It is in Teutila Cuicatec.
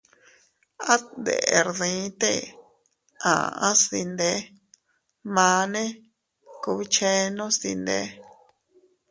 At deʼer dii te a aʼas dinde, mane kubchenos dinde.